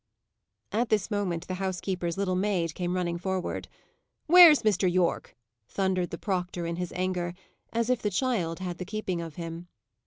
At this moment the housekeeper's little maid came running forward. "Where's Mr. Yorke?" thundered the proctor, in his anger, as if the child had the keeping of him.